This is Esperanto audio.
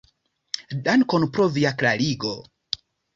Dankon pro via klarigo!